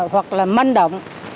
hoặc là manh động